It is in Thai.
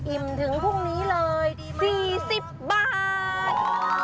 อิ่มถึงพรุ่งนี้เลยสี่สิบบาท